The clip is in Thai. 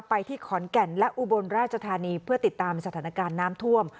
ไปที่ขอนแก่นและอุบลราชธานีเพื่อติดตามสถานการณ์น้ำท่วม